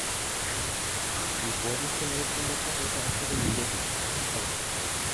Sie wurden zunächst in der Pariser Akademie der Wissenschaften ausgestellt.